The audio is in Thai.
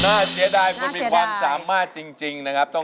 เสียดายคนมีความสามารถจริงนะครับ